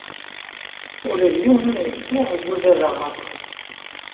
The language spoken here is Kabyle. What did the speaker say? Ula d yiwen ur yezdiɣ deg uzadaɣ-a.